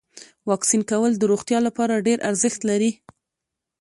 واکسین کول د روغتیا لپاره ډیر ارزښت لري.